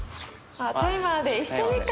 あっタイマーで。